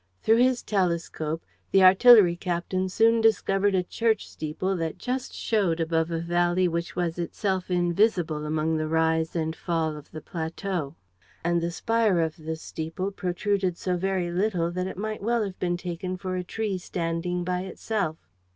Through his telescope the artillery captain soon discovered a church steeple that just showed above a valley which was itself invisible among the rise and fall of the plateau; and the spire of the steeple protruded so very little that it might well have been taken for a tree standing by itself.